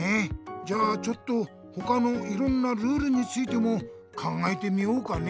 じゃあちょっとほかのいろんなルールについても考えてみようかね。